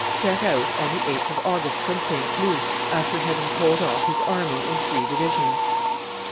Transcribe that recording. set out on the 8th of August from St. Cloud, after having told off his army in three divisions.